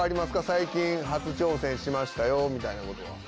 最近初挑戦しましたよみたいなことは。